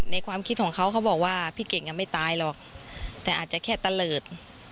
ความคิดของเขาเขาบอกว่าพี่เก่งอ่ะไม่ตายหรอกแต่อาจจะแค่ตะเลิศ